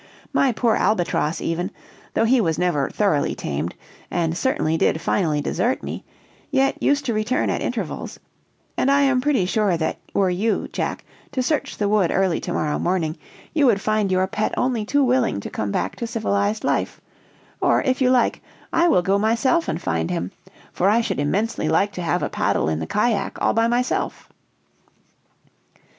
My poor albatross even, though he was never thoroughly tamed, and certainly did finally desert me, yet used to return at intervals; and I am pretty sure that were you, Jack, to search the wood early to morrow morning, you would find your pet only too willing to come back to civilized life; or, if you like, I will go myself and find him, for I should immensely like to have a paddle in the cajack all by myself."